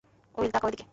Will, তাকাও এদিকে।